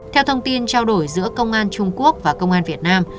theo thông tin trao đổi giữa công an trung quốc và công an việt nam